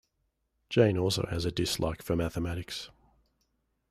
Jane also has a dislike for mathematics.